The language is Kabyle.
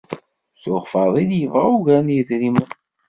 Tuɣ Faḍil yebɣa ugar n yidrimen.